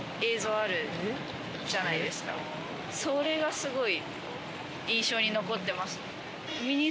それがすごい。